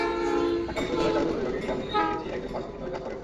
ঢাকা বিশ্ববিদ্যালয়ের চারুকলা বিভাগে গিয়ে আমি দেখেছি, একজন ভাস্কর কীভাবে কাজ করেন।